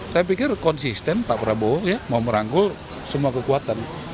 saya pikir konsisten pak prabowo mau merangkul semua kekuatan